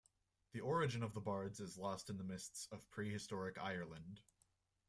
The origin of the bards is lost in the mists of pre-historic Ireland.